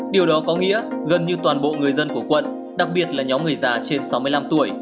điều đó có nghĩa gần như toàn bộ người dân của quận đặc biệt là nhóm người già trên sáu mươi năm tuổi